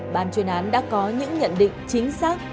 ban chuyên án đã có những nhận định chính xác